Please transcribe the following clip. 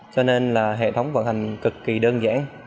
cho nên là hệ thống vận hành cực kỳ đơn giản